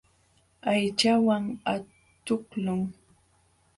Aychawan aqtuqlun.